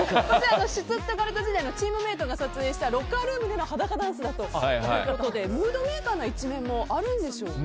シュツットガルト時代のチームメイトが撮影したロッカールームでの裸ダンスだということでムードメーカーな一面もあるんでしょうね。